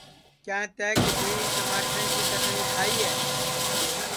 کیا تیں کِدؔھی چماٹریں کی چٹٹؔی کھائی ہے